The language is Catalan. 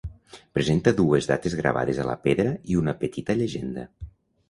Presenta dues dates gravades a la pedra i una petita llegenda.